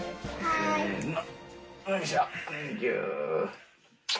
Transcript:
せの。